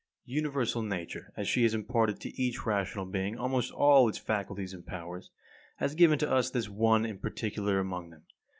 35. Universal Nature, as she has imparted to each rational being almost all its faculties and powers, has given to us this one in particular among them.